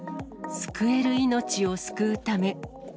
救える命を救うため。